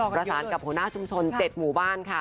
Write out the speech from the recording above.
ประสานกับหัวหน้าชุมชน๗หมู่บ้านค่ะ